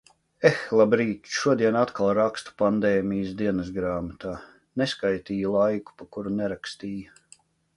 Eh, labrīt, šodien atkal rakstu pandēmijas dienasgrāmatā. Neskaitīju laiku, pa kuru nerakstīju.